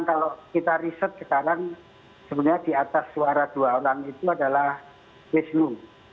kalau kita riset sekarang sebenarnya di atas suara dua orang itu adalah wisnu